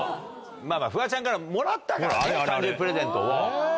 まぁまぁフワちゃんからもらったからね誕生日プレゼントを。